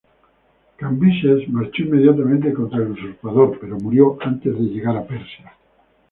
Cambises marchó inmediatamente contra el usurpador, pero murió antes de llegar a Persia.